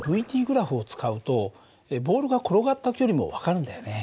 ｔグラフを使うとボールが転がった距離も分かるんだよね。